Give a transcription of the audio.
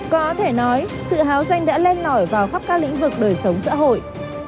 có thể nói sự háo danh đã len nổi vào khắp các lĩnh vực đời sống xã hội